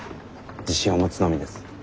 自信を持つのみです。